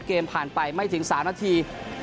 เกมผ่านไปไม่ถึง๓นาที